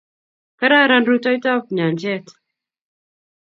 kararan rutoitoap nyanchet